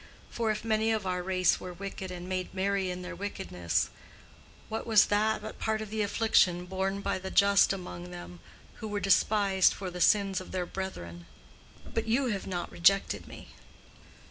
For if many of our race were wicked and made merry in their wickedness—what was that but part of the affliction borne by the just among them, who were despised for the sins of their brethren?—But you have not rejected me."